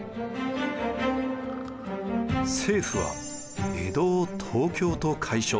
政府は江戸を東京と改称。